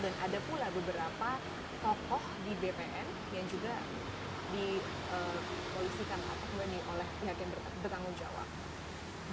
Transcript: dan ada pula beberapa tokoh di bpn yang juga dipolisikan oleh pihak yang bertanggung jawab